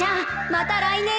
また来年ね！